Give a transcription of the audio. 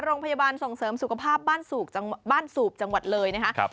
โรงพยาบาลส่งเสริมสุขภาพบ้านสูบจังหวัดเลยนะคะ